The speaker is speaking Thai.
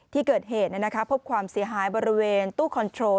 ที่เกิดเหตุพบความเสียหายบริเวณตู้คอนโทร